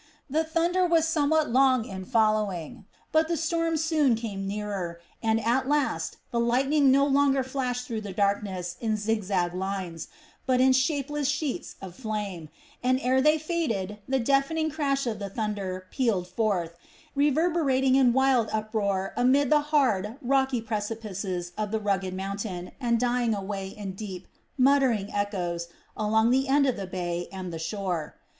The thunder was somewhat long in following, but the storm soon came nearer, and at last the lightning no longer flashed through the darkness in zigzag lines, but in shapeless sheets of flame, and ere they faded the deafening crash of the thunder pealed forth, reverberating in wild uproar amid the hard, rocky precipices of the rugged mountain, and dying away in deep, muttering echoes along the end of the bay and the shore.